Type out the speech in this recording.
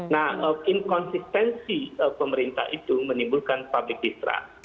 nah inkonsistensi pemerintah itu menimbulkan public distrust